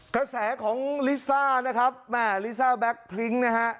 กระแสของลิซ่านะครับแม่ลิซ่าแก๊กพริ้งนะฮะ